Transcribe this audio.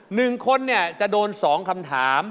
หนึ่งคนจะโดนสองคำถาม